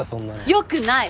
良くない。